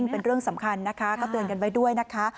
เป็นเรื่องสำคัญนะคะก็เตือนกันไว้ด้วยนะคะ